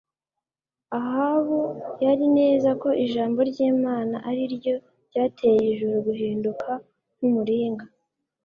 Ahabu yari neza ko ijambo ryImana ari ryo ryateye ijuru guhinduka nkumuringa